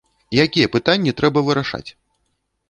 Якія пытанні трэба вырашаць?